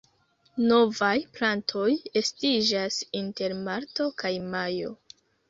Novaj plantoj estiĝas inter marto kaj majo.